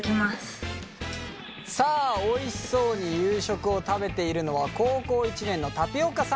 さあおいしそうに夕食を食べているのは高校１年のたぴおかさん。